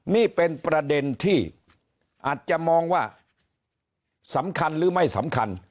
นี่เป็นประเด็นที่อาจจะมองว่าสำคัญหรือไม่สำคัญ